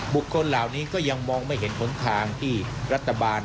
คนเหล่านี้ก็ยังมองไม่เห็นหนทางที่รัฐบาล